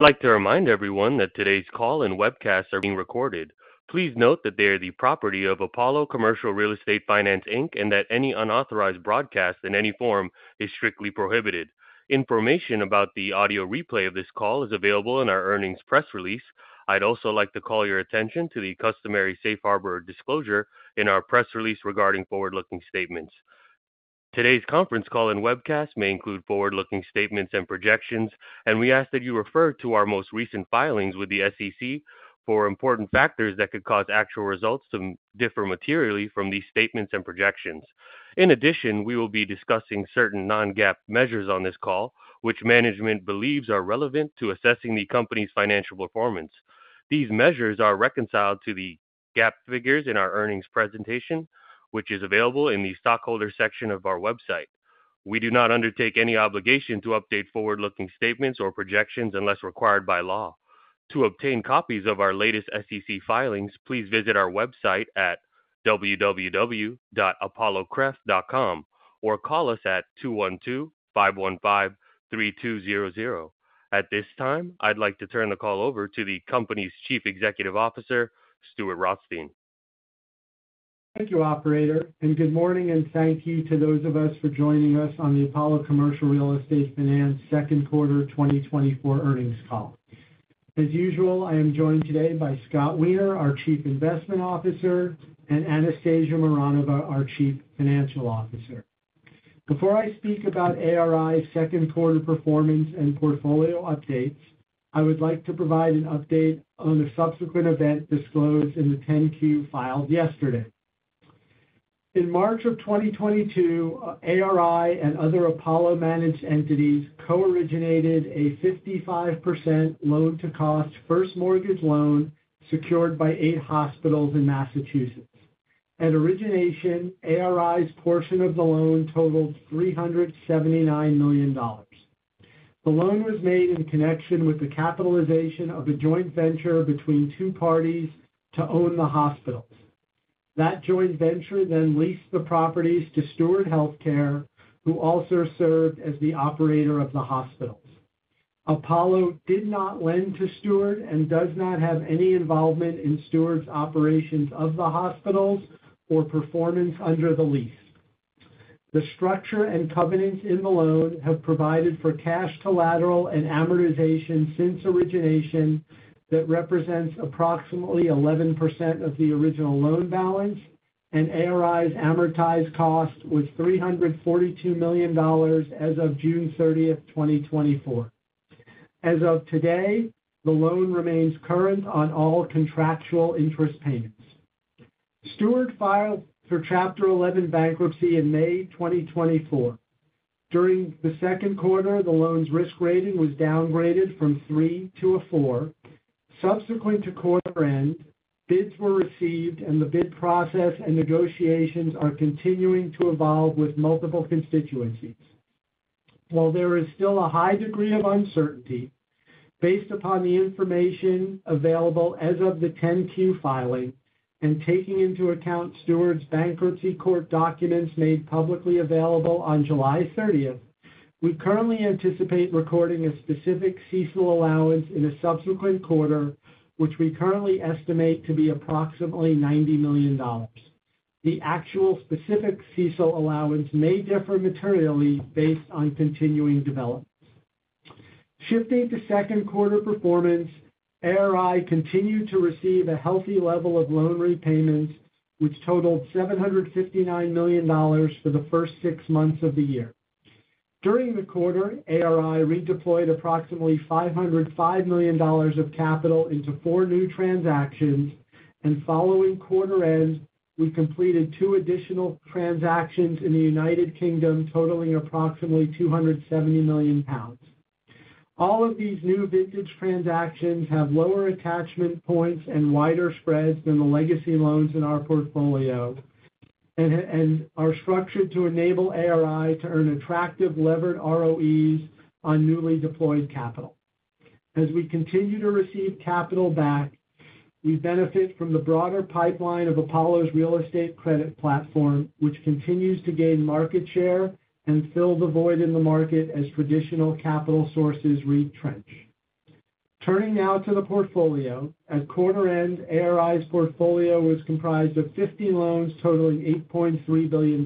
I'd like to remind everyone that today's call and webcast are being recorded. Please note that they are the property of Apollo Commercial Real Estate Finance, Inc, and that any unauthorized broadcast in any form is strictly prohibited. Information about the audio replay of this call is available in our earnings press release. I'd also like to call your attention to the customary safe harbor disclosure in our press release regarding forward-looking statements. Today's conference call and webcast may include forward-looking statements and projections, and we ask that you refer to our most recent filings with the SEC for important factors that could cause actual results to differ materially from these statements and projections. In addition, we will be discussing certain non-GAAP measures on this call, which management believes are relevant to assessing the company's financial performance. These measures are reconciled to the GAAP figures in our earnings presentation, which is available in the Stockholder section of our website. We do not undertake any obligation to update forward-looking statements or projections unless required by law. To obtain copies of our latest SEC filings, please visit our website at www.apollocref.com or call us at 212-515-3200. At this time, I'd like to turn the call over to the company's Chief Executive Officer, Stuart Rothstein. Thank you, operator, and good morning, and thank you to those of us for joining us on the Apollo Commercial Real Estate Finance Second Quarter 2024 Earnings Call. As usual, I am joined today by Scott Wiener, our Chief Investment Officer, and Anastasia Mironova, our Chief Financial Officer. Before I speak about ARI's second quarter performance and portfolio updates, I would like to provide an update on a subsequent event disclosed in the 10-Q filed yesterday. In March 2022, ARI and other Apollo-managed entities co-originated a 55% loan-to-cost first mortgage loan secured by eight hospitals in Massachusetts. At origination, ARI's portion of the loan totaled $379 million. The loan was made in connection with the capitalization of a joint venture between two parties to own the hospitals. That joint venture then leased the properties to Steward Health Care System, who also served as the operator of the hospitals. Apollo did not lend to Steward and does not have any involvement in Steward's operations of the hospitals or performance under the lease. The structure and covenants in the loan have provided for cash collateral and amortization since origination that represents approximately 11% of the original loan balance, and ARI's amortized cost was $342 million as of June 30th, 2024. As of today, the loan remains current on all contractual interest payments. Steward filed for Chapter 11 bankruptcy in May 2024. During the second quarter, the loan's risk rating was downgraded from 3 to a 4. Subsequent to quarter end, bids were received, and the bid process and negotiations are continuing to evolve with multiple constituencies. While there is still a high degree of uncertainty, based upon the information available as of the 10-Q filing and taking into account Steward's bankruptcy court documents made publicly available on July 30th, we currently anticipate recording a specific CECL allowance in a subsequent quarter, which we currently estimate to be approximately $90 million. The actual specific CECL allowance may differ materially based on continuing developments. Shifting to second quarter performance, ARI continued to receive a healthy level of loan repayments, which totaled $759 million for the first six months of the year. During the quarter, ARI redeployed approximately $505 million of capital into four new transactions, and following quarter end, we completed two additional transactions in the United Kingdom, totaling approximately 270 million pounds. All of these new vintage transactions have lower attachment points and wider spreads than the legacy loans in our portfolio and are structured to enable ARI to earn attractive levered ROEs on newly deployed capital. As we continue to receive capital back, we benefit from the broader pipeline of Apollo's real estate credit platform, which continues to gain market share and fill the void in the market as traditional capital sources retrench. Turning now to the portfolio. At quarter end, ARI's portfolio was comprised of 50 loans totaling $8.3 billion.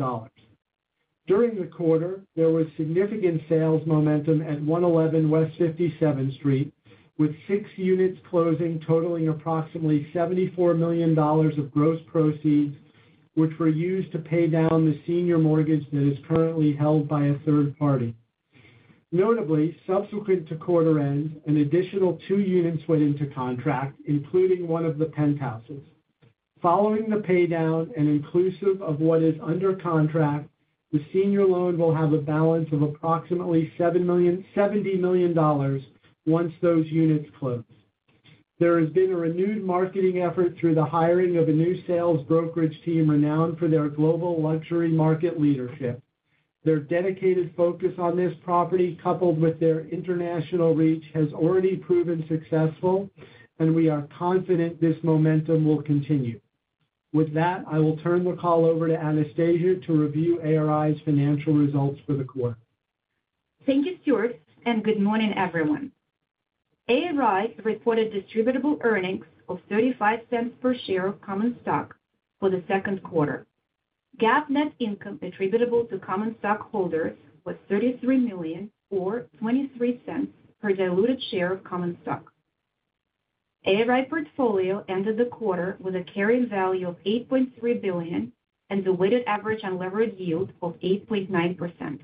During the quarter, there was significant sales momentum at 111 West 57th Street, with six units closing, totaling approximately $74 million of gross proceeds, which were used to pay down the senior mortgage that is currently held by a third party. Notably, subsequent to quarter end, an additional two units went into contract, including one of the penthouses. Following the paydown and inclusive of what is under contract, the senior loan will have a balance of approximately $70 million once those units close. There has been a renewed marketing effort through the hiring of a new sales brokerage team renowned for their global luxury market leadership. Their dedicated focus on this property, coupled with their international reach, has already proven successful, and we are confident this momentum will continue. With that, I will turn the call over to Anastasia to review ARI's financial results for the quarter. Thank you, Stuart, and good morning, everyone. ARI reported distributable earnings of $0.35 per share of common stock for the second quarter. GAAP net income attributable to common stockholders was $33 million, or $0.23 per diluted share of common stock. ARI portfolio ended the quarter with a carrying value of $8.3 billion and a weighted average unlevered yield of 8.9%.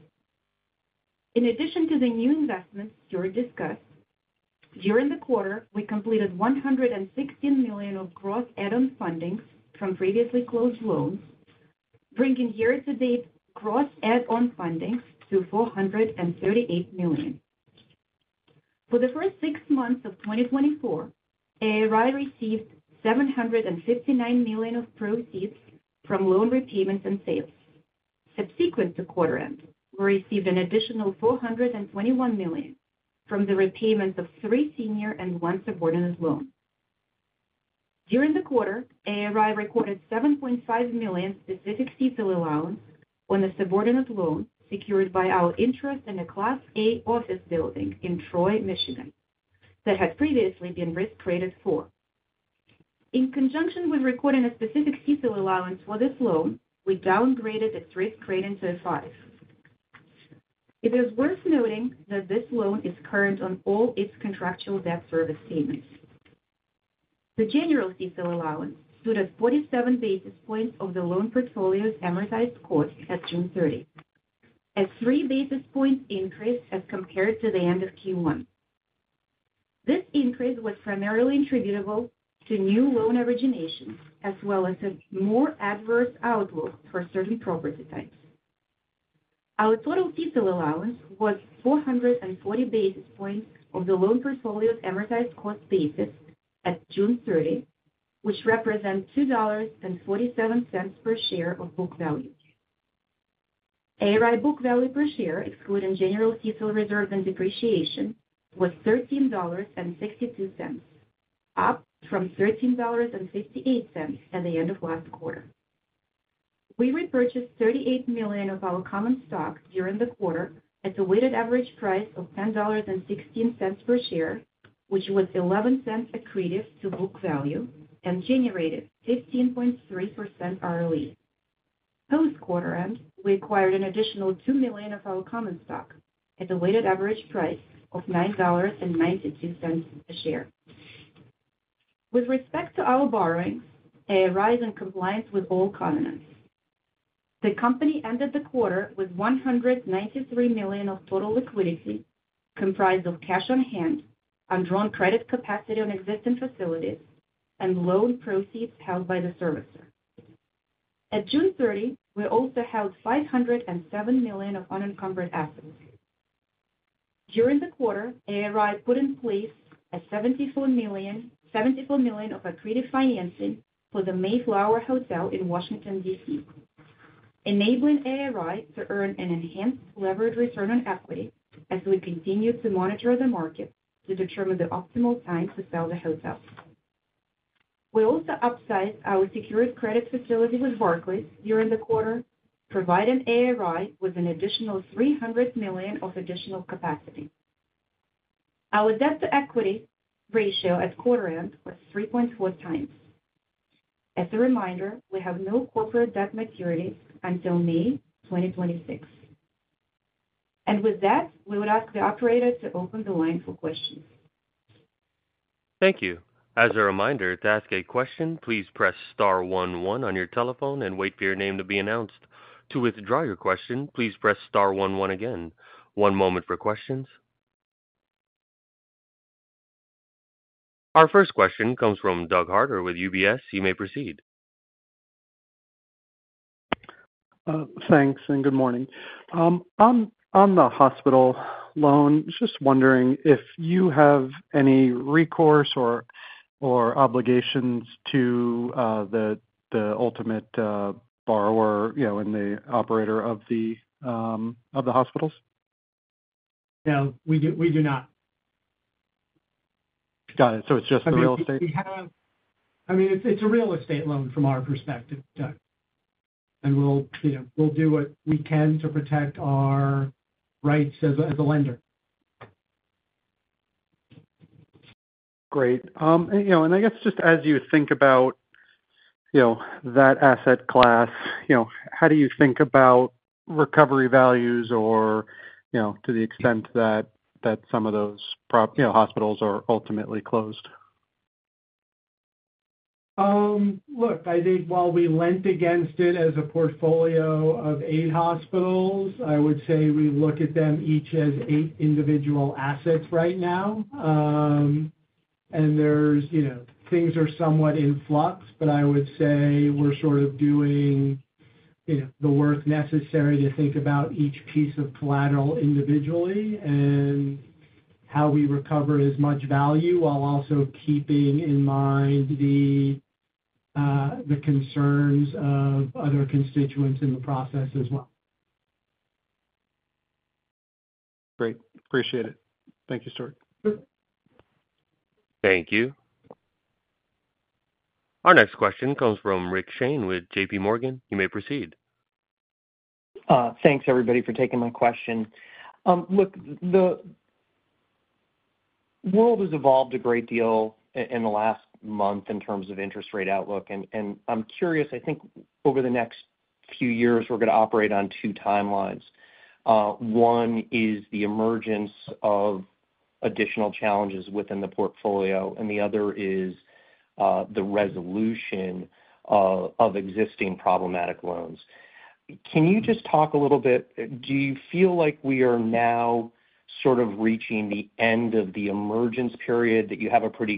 In addition to the new investments Stuart discussed, during the quarter, we completed $116 million of gross add-on fundings from previously closed loans, bringing year-to-date gross add-on funding to $438 million. For the first six months of 2024, ARI received $759 million of proceeds from loan repayments and sales. Subsequent to quarter end, we received an additional $421 million from the repayments of three senior and one subordinate loan. During the quarter, ARI recorded $7.5 million specific CECL allowance on a subordinate loan secured by our interest in a Class A office building in Troy, Michigan, that had previously been risk rated 4. In conjunction with recording a specific CECL allowance for this loan, we downgraded its risk rating to a 5. It is worth noting that this loan is current on all its contractual debt service payments. The general CECL allowance stood at 47 basis points of the loan portfolio's amortized cost at June 30, a 3 basis point increase as compared to the end of Q1. This increase was primarily attributable to new loan originations, as well as a more adverse outlook for certain property types. Our total CECL allowance was 440 basis points of the loan portfolio's amortized cost basis at June 30, which represents $2.47 per share of book value. ARI book value per share, excluding general CECL reserve and depreciation, was $13.62, up from $13.58 at the end of last quarter. We repurchased $38 million of our common stock during the quarter at a weighted average price of $10.16 per share, which was $0.11 accretive to book value and generated 15.3% ROE. Post quarter end, we acquired an additional $2 million of our common stock at a weighted average price of $9.92 a share. With respect to our borrowings, ARI is in compliance with all covenants. The company ended the quarter with $193 million of total liquidity, comprised of cash on hand, undrawn credit capacity on existing facilities, and loan proceeds held by the servicer. At June 30, we also held $507 million of unencumbered assets. During the quarter, ARI put in place a $74 million, $74 million of accretive financing for The Mayflower Hotel in Washington, D.C., enabling ARI to earn an enhanced levered return on equity as we continue to monitor the market to determine the optimal time to sell the hotel. We also upsized our secured credit facility with Barclays during the quarter, providing ARI with an additional $300 million of additional capacity. Our debt-to-equity ratio at quarter end was 3.4x. As a reminder, we have no corporate debt maturity until May 2026. With that, we would ask the operator to open the line for questions. Thank you. As a reminder, to ask a question, please press star one, one on your telephone and wait for your name to be announced. To withdraw your question, please press star one, one again. One moment for questions. Our first question comes from Doug Harter with UBS. You may proceed. Thanks, and good morning. On the hospital loan, just wondering if you have any recourse or obligations to the ultimate borrower, you know, and the operator of the hospitals? No, we do, we do not. Got it. So it's just the real estate? We have, I mean, it's a real estate loan from our perspective, Doug, and we'll, you know, do what we can to protect our rights as a lender. Great. And, you know, and I guess just as you think about, you know, that asset class, you know, how do you think about recovery values or, you know, to the extent that some of those prop, you know, hospitals are ultimately closed? Look, I think while we lent against it as a portfolio of eight hospitals, I would say we look at them each as eight individual assets right now. And there's, you know, things are somewhat in flux, but I would say we're sort of doing, you know, the work necessary to think about each piece of collateral individually and how we recover as much value, while also keeping in mind the, the concerns of other constituents in the process as well. Great. Appreciate it. Thank you, Stuart. Thank you. Our next question comes from Rick Shane with JPMorgan. You may proceed. Thanks, everybody, for taking my question. Look, the world has evolved a great deal in the last month in terms of interest rate outlook, and I'm curious, I think over the next few years, we're going to operate on two timelines. One is the emergence of additional challenges within the portfolio, and the other is the resolution of existing problematic loans. Can you just talk a little bit, do you feel like we are now sort of reaching the end of the emergence period, that you have a pretty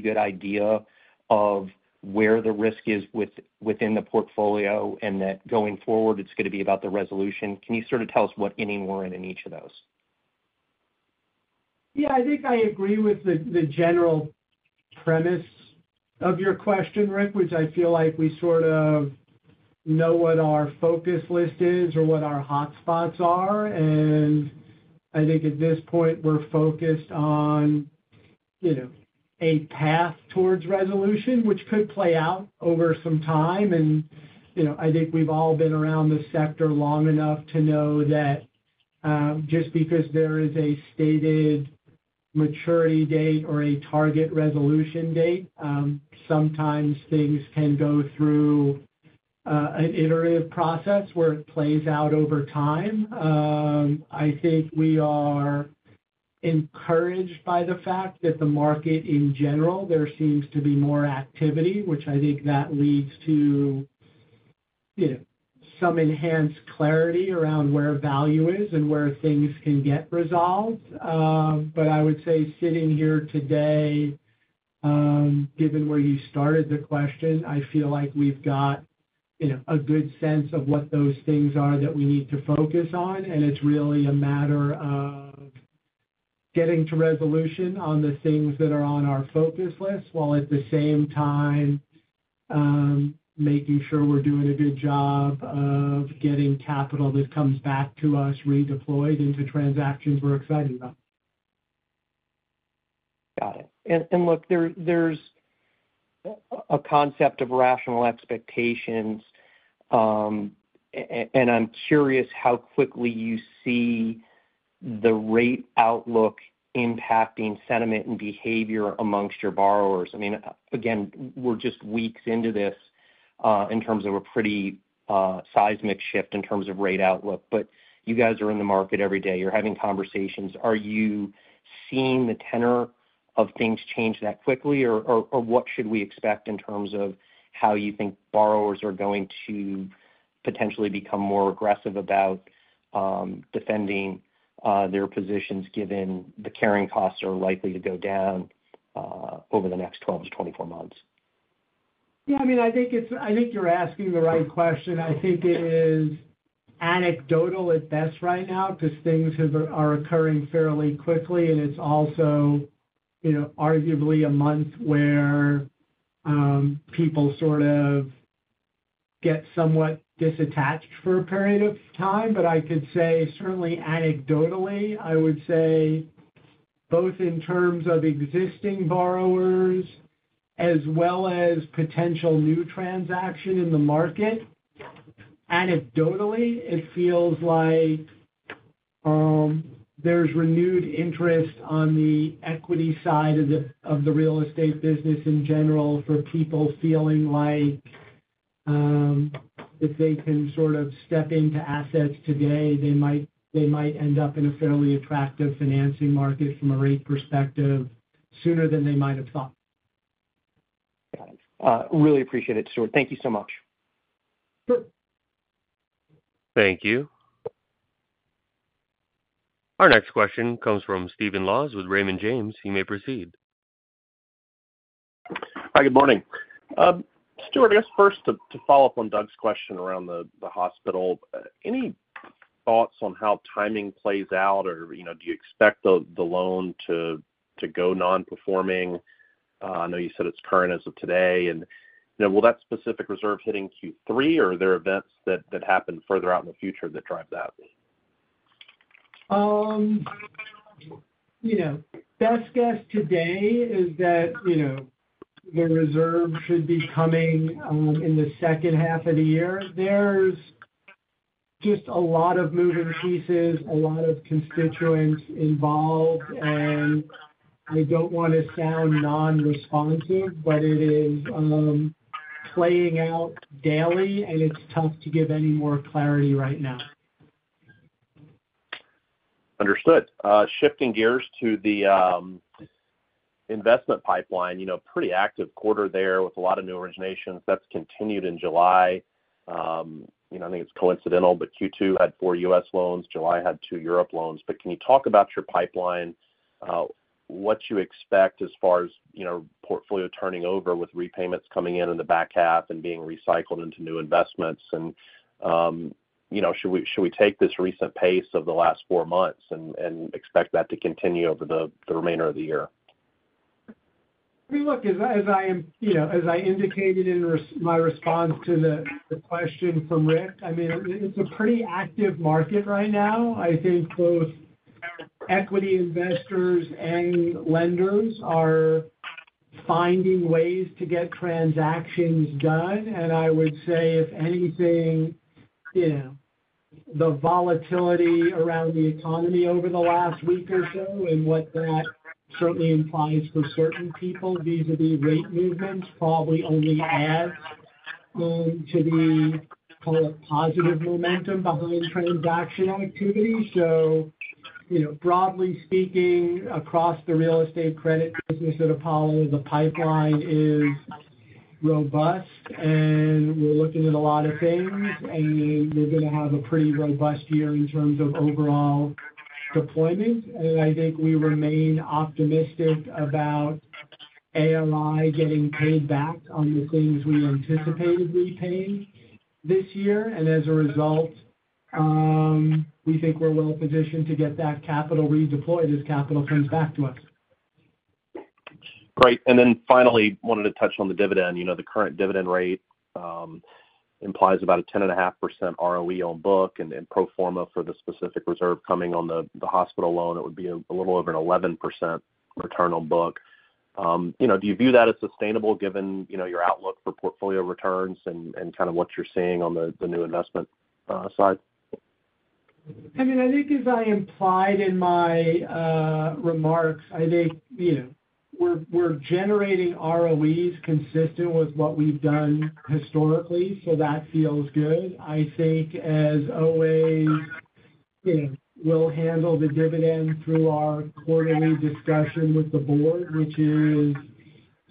good idea of where the risk is within the portfolio, and that going forward, it's going to be about the resolution? Can you sort of tell us what inning we're in in each of those? Yeah, I think I agree with the general premise of your question, Rick, which I feel like we sort of know what our focus list is or what our hotspots are, and I think at this point, we're focused on, you know, a path towards resolution, which could play out over some time. You know, I think we've all been around this sector long enough to know that, just because there is a stated maturity date or a target resolution date, sometimes things can go through an iterative process where it plays out over time. I think we are encouraged by the fact that the market in general, there seems to be more activity, which I think that leads to, you know, some enhanced clarity around where value is and where things can get resolved. But I would say sitting here today, given where you started the question, I feel like we've got, you know, a good sense of what those things are that we need to focus on, and it's really a matter of getting to resolution on the things that are on our focus list, while at the same time, making sure we're doing a good job of getting capital that comes back to us redeployed into transactions we're excited about. Got it. And look, there's a concept of rational expectations, and I'm curious how quickly you see the rate outlook impacting sentiment and behavior amongst your borrowers. I mean, again, we're just weeks into this, in terms of a pretty seismic shift in terms of rate outlook, but you guys are in the market every day. You're having conversations. Are you seeing the tenor of things change that quickly, or what should we expect in terms of how you think borrowers are going to potentially become more aggressive about defending their positions, given the carrying costs are likely to go down over the next 12 months-24 months? Yeah, I mean, I think you're asking the right question. I think it is anecdotal at best right now because things are occurring fairly quickly, and it's also, you know, arguably a month where people sort of get somewhat detached for a period of time. But I could say, certainly anecdotally, I would say, both in terms of existing borrowers as well as potential new transaction in the market, anecdotally, it feels like there's renewed interest on the equity side of the real estate business in general, for people feeling like if they can sort of step into assets today, they might end up in a fairly attractive financing market from a rate perspective sooner than they might have thought. Got it. Really appreciate it, Stuart. Thank you so much. Sure. Thank you. Our next question comes from Stephen Laws with Raymond James. You may proceed. Hi, good morning. Stuart, I guess first to follow up on Doug's question around the hospital. Any thoughts on how timing plays out, or, you know, do you expect the loan to go non-performing? I know you said it's current as of today, and, you know, will that specific reserve hitting Q3, or are there events that happen further out in the future that drive that? You know, best guess today is that, you know, the reserve should be coming in the second half of the year. There's just a lot of moving pieces, a lot of constituents involved, and I don't want to sound non-responsive, but it is playing out daily, and it's tough to give any more clarity right now. Understood. Shifting gears to the investment pipeline, you know, pretty active quarter there with a lot of new originations. That's continued in July. You know, I think it's coincidental, but Q2 had four U.S. loans. July had two Europe loans. But can you talk about your pipeline, what you expect as far as, you know, portfolio turning over with repayments coming in in the back half and being recycled into new investments? And, you know, should we, should we take this recent pace of the last four months and, and expect that to continue over the remainder of the year? I mean, look, as I am, you know, as I indicated in my response to the question from Rick, I mean, it's a pretty active market right now. I think both equity investors and lenders are finding ways to get transactions done. And I would say, if anything, you know, the volatility around the economy over the last week or so and what that certainly implies for certain people, vis-a-vis rate movements, probably only adds to the, call it, positive momentum behind transaction activity. So, you know, broadly speaking, across the real estate credit business at Apollo, the pipeline is robust, and we're looking at a lot of things, and we're gonna have a pretty robust year in terms of overall deployment. And I think we remain optimistic about ARI getting paid back on the things we anticipated repaying this year. As a result, we think we're well positioned to get that capital redeployed as capital comes back to us. Great. And then finally, wanted to touch on the dividend. You know, the current dividend rate implies about a 10.5% ROE on book, and pro forma for the specific reserve coming on the hospital loan, it would be a little over an 11% return on book. You know, do you view that as sustainable, given, you know, your outlook for portfolio returns and kind of what you're seeing on the new investment side? I mean, I think as I implied in my remarks, I think, you know, we're, we're generating ROEs consistent with what we've done historically, so that feels good. I think as always, you know, we'll handle the dividend through our quarterly discussion with the board, which is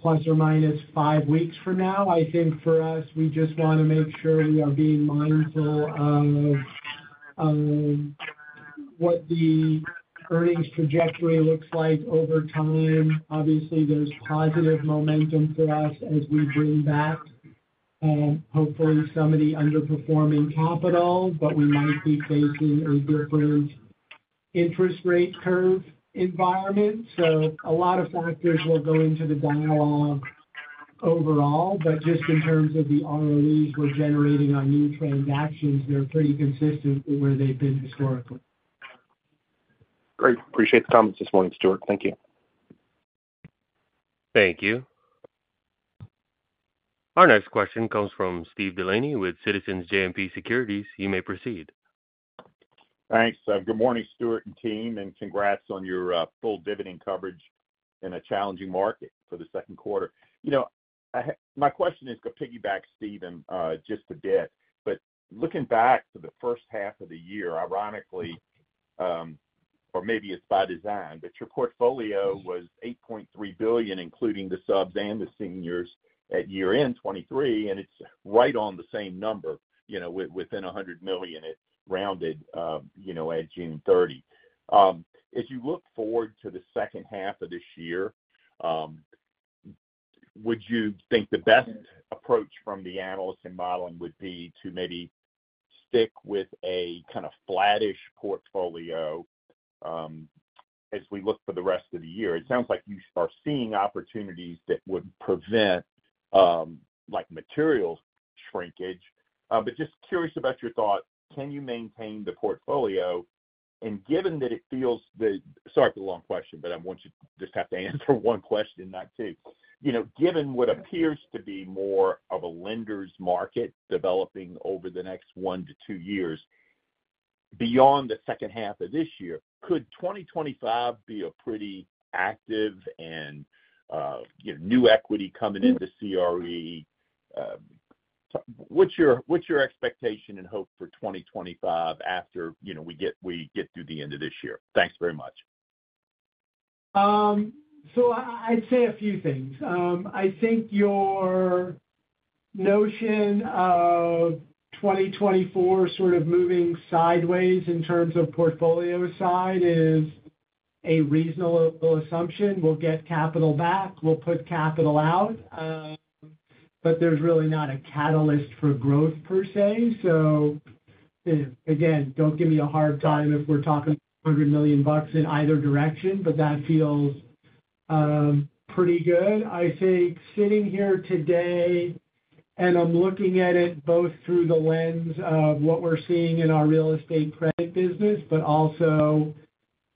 ±5 weeks from now. I think for us, we just wanna make sure we are being mindful of what the earnings trajectory looks like over time. Obviously, there's positive momentum for us as we bring back hopefully some of the underperforming capital, but we might be facing a different interest rate curve environment. So a lot of factors will go into the dialogue overall. But just in terms of the ROEs we're generating on new transactions, they're pretty consistent with where they've been historically. Great. Appreciate the comments this morning, Stuart. Thank you. Thank you. Our next question comes from Steve Delaney with Citizens JMP Securities. You may proceed. Thanks. Good morning, Stuart and team, and congrats on your full dividend coverage in a challenging market for the second quarter. You know, my question is gonna piggyback Stephen just a bit. But looking back to the first half of the year, ironically, or maybe it's by design, but your portfolio was $8.3 billion, including the subs and the seniors at year-end 2023, and it's right on the same number, you know, within $100 million, it rounded, you know, at June 30. As you look forward to the second half of this year, would you think the best approach from the analyst and modeling would be to maybe stick with a kind of flattish portfolio as we look for the rest of the year? It sounds like you are seeing opportunities that would prevent, like, material shrinkage. But just curious about your thoughts. Can you maintain the portfolio? And given that it feels that... Sorry for the long question, but I want you to just have to answer one question, not two. You know, given what appears to be more of a lender's market developing over the next one to two years, beyond the second half of this year, could 2025 be a pretty active and, you know, new equity coming into CRE? What's your, what's your expectation and hope for 2025 after, you know, we get, we get through the end of this year? Thanks very much. So, I'd say a few things. I think your notion of 2024 sort of moving sideways in terms of portfolio side is a reasonable assumption. We'll get capital back, we'll put capital out, but there's really not a catalyst for growth per se. So, again, don't give me a hard time if we're talking $100 million bucks in either direction, but that feels pretty good. I think sitting here today, and I'm looking at it both through the lens of what we're seeing in our real estate credit business, but also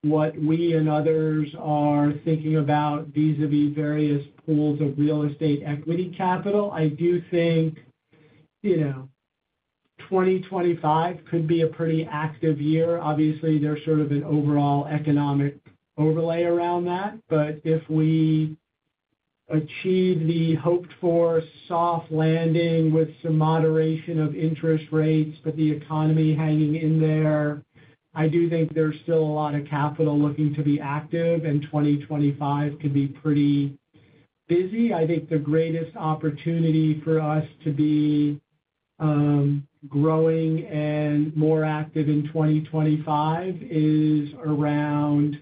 what we and others are thinking about vis-a-vis various pools of real estate equity capital. I do think, you know, 2025 could be a pretty active year. Obviously, there's sort of an overall economic overlay around that, but if we achieve the hoped-for soft landing with some moderation of interest rates, but the economy hanging in there, I do think there's still a lot of capital looking to be active, and 2025 could be pretty busy. I think the greatest opportunity for us to be growing and more active in 2025 is around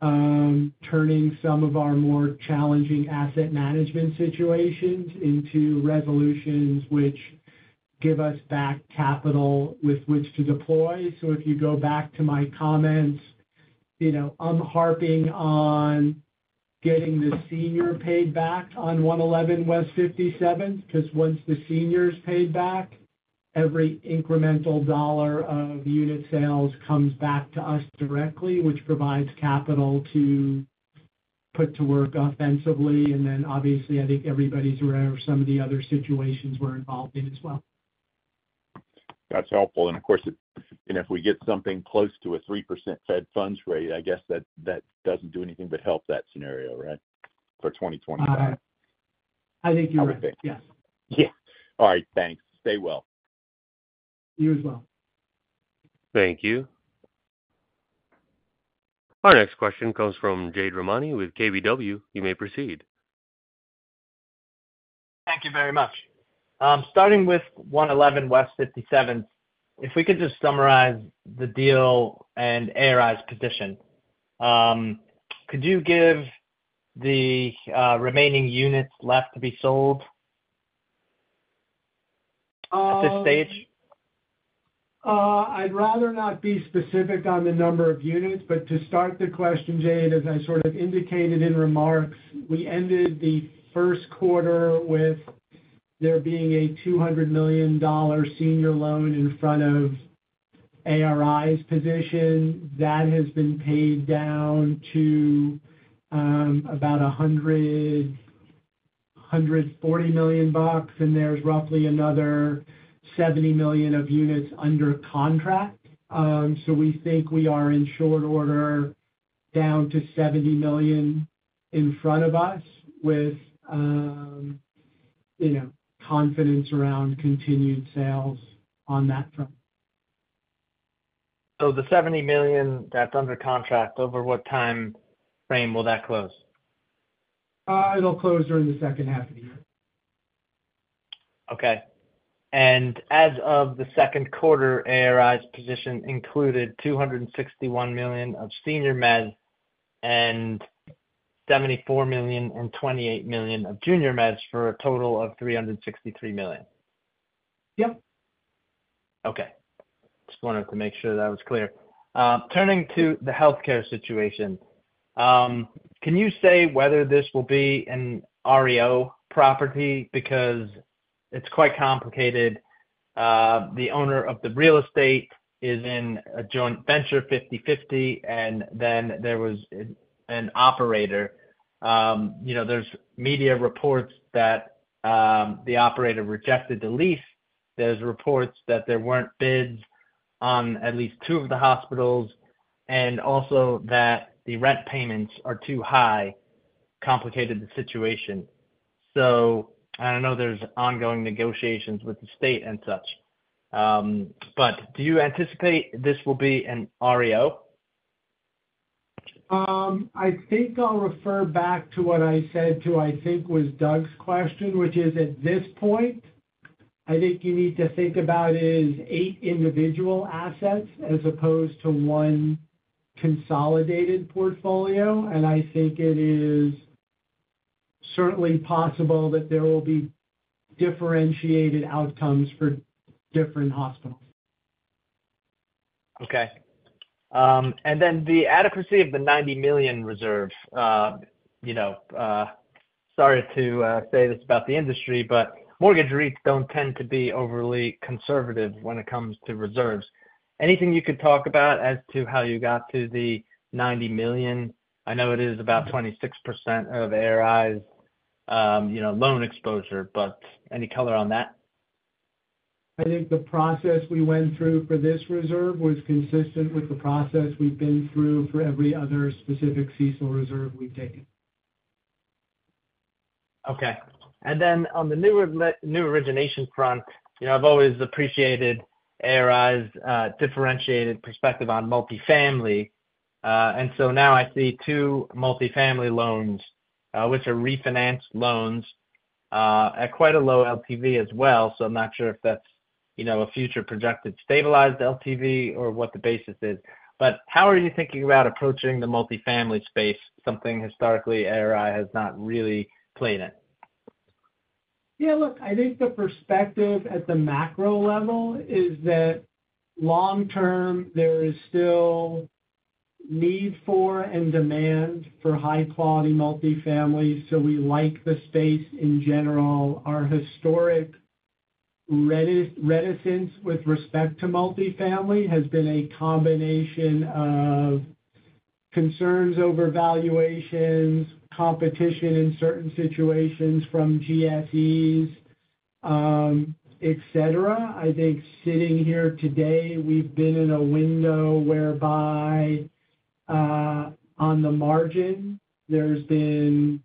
turning some of our more challenging asset management situations into resolutions which give us back capital with which to deploy. So if you go back to my comments, you know, I'm harping on getting the senior paid back on 111 West 57th Street, because once the senior is paid back, every incremental dollar of unit sales comes back to us directly, which provides capital to put to work offensively. Obviously, I think everybody's aware of some of the other situations we're involved in as well. That's helpful. And of course, and if we get something close to a 3% Fed funds rate, I guess that, that doesn't do anything but help that scenario, right, for 2025? I think you're right. I would think. Yes. Yeah. All right. Thanks. Stay well. You as well. Thank you. Our next question comes from Jade Rahmani with KBW. You may proceed. Thank you very much. Starting with 111 West 57th Street, if we could just summarize the deal and ARI's position. Could you give the remaining units left to be sold, at this stage? I'd rather not be specific on the number of units, but to start the question, Jade, as I sort of indicated in remarks, we ended the first quarter with there being a $200 million senior loan in front of ARI's position. That has been paid down to about $140 million, and there's roughly another $70 million of units under contract. So we think we are in short order, down to $70 million in front of us, with you know, confidence around continued sales on that front. The $70 million that's under contract, over what time frame will that close? It'll close during the second half of the year. Okay. As of the second quarter, ARI's position included $261 million of senior mezz and $74 million and $28 million of junior mezz for a total of $363 million. Yep. Okay. Just wanted to make sure that was clear. Turning to the healthcare situation, can you say whether this will be an REO property? Because it's quite complicated. The owner of the real estate is in a joint venture, 50/50, and then there was an operator. You know, there's media reports that the operator rejected the lease. There's reports that there weren't bids on at least two of the hospitals, and also that the rent payments are too high, complicated the situation. So I don't know there's ongoing negotiations with the state and such, but do you anticipate this will be an REO? I think I'll refer back to what I said to, I think it was Doug's question, which is, at this point, I think you need to think about it as eight individual assets as opposed to one consolidated portfolio. I think it is certainly possible that there will be differentiated outcomes for different hospitals. Okay. And then the adequacy of the $90 million reserves. You know, sorry to say this about the industry, but mortgage REITs don't tend to be overly conservative when it comes to reserves. Anything you could talk about as to how you got to the $90 million? I know it is about 26% of ARI's, you know, loan exposure, but any color on that? I think the process we went through for this reserve was consistent with the process we've been through for every other specific CECL reserve we've taken. Okay. Then on the new origination front, you know, I've always appreciated ARI's differentiated perspective on multifamily. So now I see two multifamily loans, which are refinanced loans, at quite a low LTV as well. So I'm not sure if that's, you know, a future projected stabilized LTV or what the basis is. But how are you thinking about approaching the multifamily space, something historically ARI has not really played in? Yeah, look, I think the perspective at the macro level is that long term, there is still need for and demand for high-quality multifamily, so we like the space in general. Our historic reticence with respect to multifamily has been a combination of concerns over valuations, competition in certain situations from GSEs, et cetera. I think sitting here today, we've been in a window whereby, on the margin, there's been,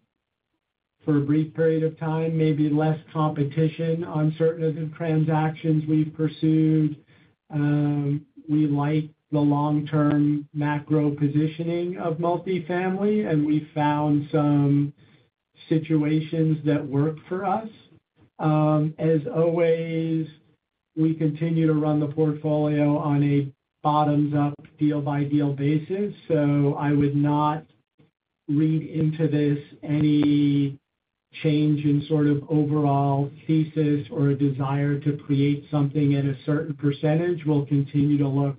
for a brief period of time, maybe less competition on certain of the transactions we've pursued. We like the long-term macro positioning of multifamily, and we found some situations that work for us. As always, we continue to run the portfolio on a bottoms-up, deal-by-deal basis, so I would not read into this any change in sort of overall thesis or a desire to create something at a certain percentage. We'll continue to look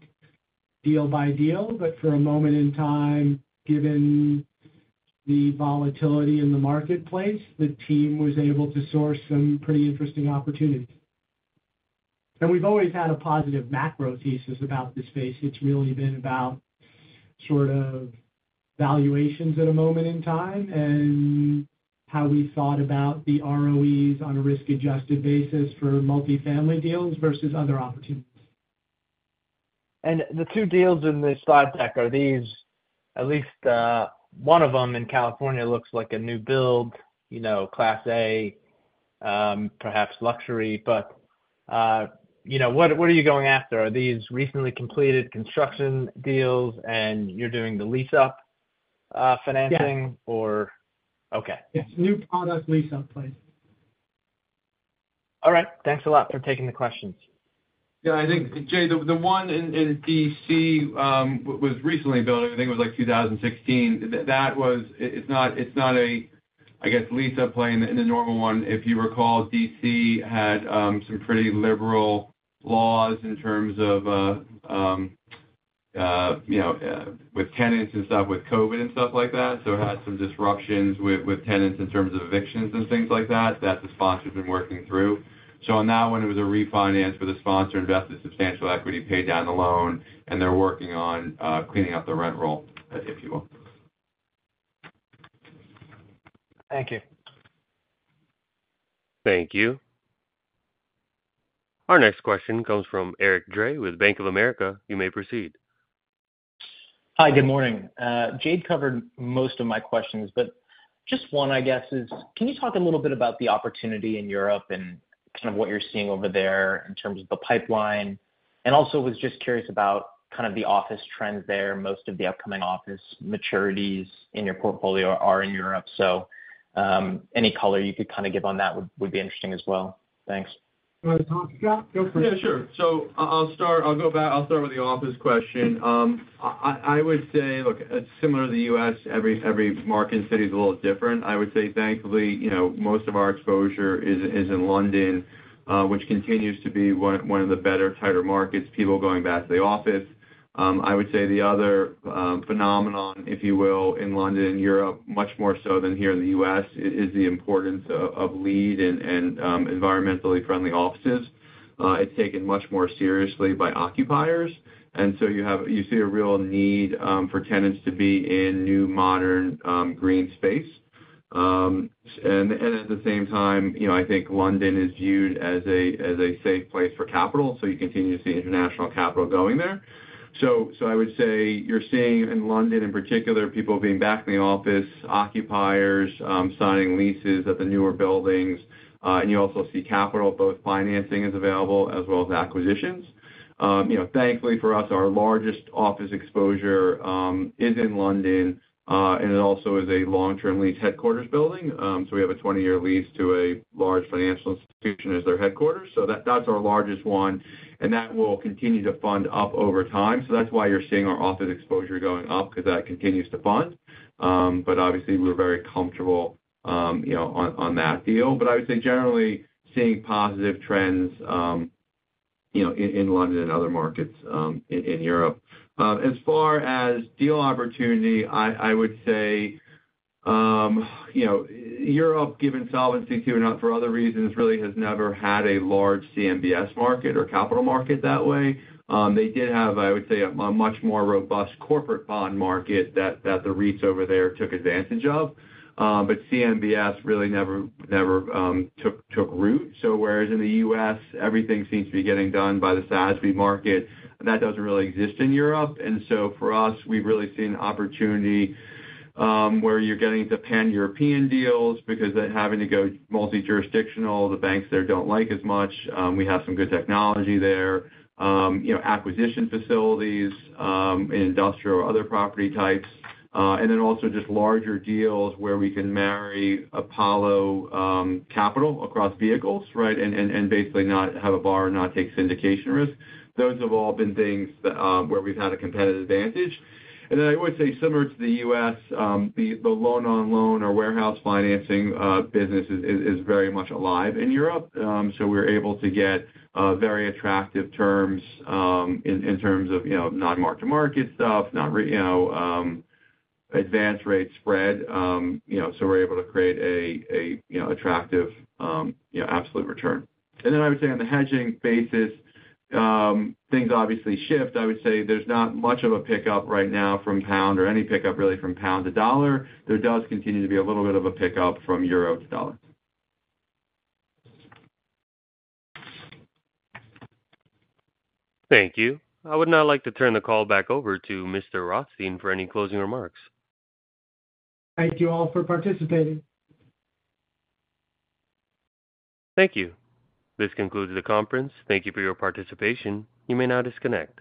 deal by deal, but for a moment in time, given the volatility in the marketplace, the team was able to source some pretty interesting opportunities. We've always had a positive macro thesis about this space. It's really been about sort of valuations at a moment in time and how we thought about the ROEs on a risk-adjusted basis for multifamily deals versus other opportunities. The two deals in the slide deck, are these, at least, one of them in California, looks like a new build, you know, Class A, perhaps luxury, but, you know, what, what are you going after? Are these recently completed construction deals, and you're doing the lease-up financing? Yeah. Or... Okay. It's new product lease-up place. All right. Thanks a lot for taking the questions. Yeah, I think, Jade, the one in D.C. was recently built, I think it was like 2016. That was—it's not a, I guess, lease-up play in the normal one. If you recall, D.C. had some pretty liberal laws in terms of, you know, with tenants and stuff, with COVID and stuff like that. So it had some disruptions with, with tenants in terms of evictions and things like that, that the sponsor's been working through. So on that one, it was a refinance where the sponsor invested substantial equity, paid down the loan, and they're working on cleaning up the rent roll, if you will. Thank you. Thank you. Our next question comes from Eric Dray with Bank of America. You may proceed. Hi, good morning. Jade covered most of my questions, but just one, I guess, is can you talk a little bit about the opportunity in Europe and kind of what you're seeing over there in terms of the pipeline? And also, was just curious about kind of the office trends there. Most of the upcoming office maturities in your portfolio are in Europe, so any color you could kind of give on that would be interesting as well. Thanks. You want to talk, Scott? Go for it. Yeah, sure. So I'll start with the office question. I would say, look, it's similar to the U.S., every market city is a little different. I would say, thankfully, you know, most of our exposure is in London, which continues to be one of the better tighter markets, people going back to the office. I would say the other phenomenon, if you will, in London and Europe, much more so than here in the U.S., is the importance of LEED and environmentally friendly offices. It's taken much more seriously by occupiers, and so you see a real need for tenants to be in new, modern green space. And at the same time, you know, I think London is viewed as a safe place for capital, so you continue to see international capital going there. So I would say you're seeing in London, in particular, people being back in the office, occupiers signing leases at the newer buildings, and you also see capital, both financing is available as well as acquisitions. You know, thankfully for us, our largest office exposure is in London, and it also is a long-term lease headquarters building. So we have a 20-year lease to a large financial institution as their headquarters. So that, that's our largest one, and that will continue to fund up over time. So that's why you're seeing our office exposure going up, because that continues to fund. But obviously, we're very comfortable, you know, on that deal. But I would say generally seeing positive trends, you know, in London and other markets in Europe. As far as deal opportunity, I would say, you know, Europe, given solvency, if you're not for other reasons, really has never had a large CMBS market or capital market that way. They did have, I would say, a much more robust corporate bond market that the REITs over there took advantage of, but CMBS really never took root. So whereas in the U.S., everything seems to be getting done by the SASB market, that doesn't really exist in Europe. And so for us, we've really seen opportunity, where you're getting into pan-European deals because they're having to go multi-jurisdictional. The banks there don't like as much. We have some good technology there, you know, acquisition facilities, industrial, other property types, and then also just larger deals where we can marry Apollo capital across vehicles, right? And basically not have a bar and not take syndication risk. Those have all been things that where we've had a competitive advantage. And then I would say similar to the U.S., the loan-on-loan or warehouse financing business is very much alive in Europe. So we're able to get very attractive terms in terms of, you know, not mark-to-market stuff, you know, advance rate spread. You know, so we're able to create a you know, attractive you know, absolute return. And then I would say on the hedging basis, things obviously shift. I would say there's not much of a pickup right now from pound or any pickup really from pound to dollar. There does continue to be a little bit of a pickup from euro to dollar. Thank you. I would now like to turn the call back over to Mr. Rothstein for any closing remarks. Thank you all for participating. Thank you. This concludes the conference. Thank you for your participation. You may now disconnect.